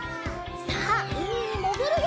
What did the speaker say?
さあうみにもぐるよ！